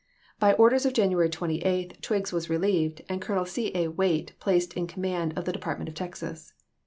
By orders of January 28, Twiggs was relieved, and Colonel C. A. Waite placed in com mand of the Department of Texas.